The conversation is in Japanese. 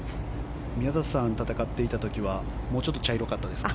宮里さんが戦っていた時はもっと茶色かったですか？